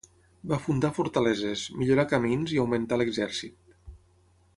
Va fundar fortaleses, millorar camins i augmentà l'exèrcit.